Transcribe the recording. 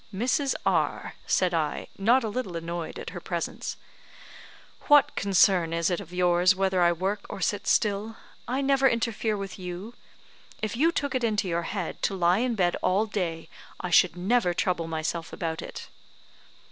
"Mrs. R ," said I, not a little annoyed at her presence, "what concern is it of yours whether I work or sit still? I never interfere with you. If you took it into your head to lie in bed all day, I should never trouble myself about it."